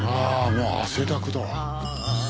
もう汗だくだ。